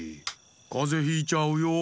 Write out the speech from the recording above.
かぜひいちゃうよ。